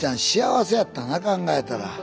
幸せやったな考えたら。